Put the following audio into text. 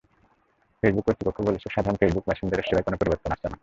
Facebook কর্তৃপক্ষ বলছে, সাধারণ ফেসবুক মেসেঞ্জারের সেবায় কোনো পরিবর্তন আসছে না।